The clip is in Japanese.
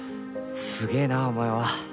すげえなお前は。